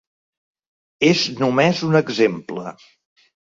És només un exemple.